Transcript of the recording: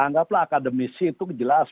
anggaplah akademisi itu jelas